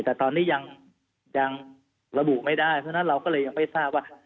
แต่ตอนนี้ยังระบุไม่ได้เพราะฉะนั้นเราก็เลยยังไม่ทราบว่า